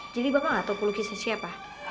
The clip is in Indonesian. jadi bapak nggak tahu pelukisnya siapa